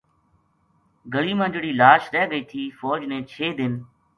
گلی ما جہیڑی لاش رہ گئی تھی فوج نے چھ دن